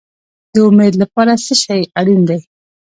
د امید لپاره څه شی اړین دی؟